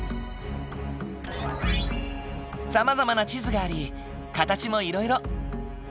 さまざまな地図があり形もいろいろ。